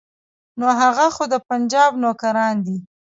نو هغه خو د پنجاب نوکران دي.